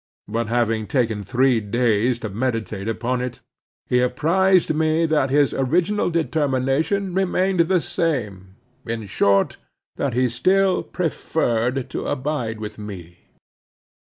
But having taken three days to meditate upon it, he apprised me that his original determination remained the same; in short, that he still preferred to abide with me.